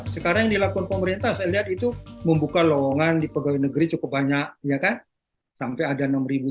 sekarang yang dilakukan pemerintah saya lihat itu membuka lowongan di pegawai negeri cukup banyak sampai ada enam tujuh